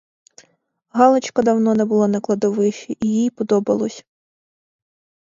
Галочка давно не була на кладовищі, і їй подобалось.